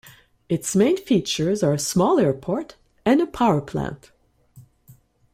Its main features are a small airport and a power-plant.